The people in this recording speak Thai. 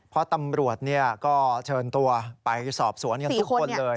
เพราะตำรวจก็เชิญตัวไปสอบสวนกันทุกคนเลย